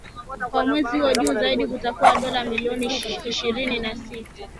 Kwa mwezi huo, juu zaidi kutoka dola milioni ishirini na tisa